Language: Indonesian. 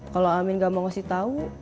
kalo amin gak mau ngasih tau